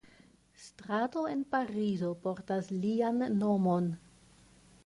Strato en Parizo portas lian nomon.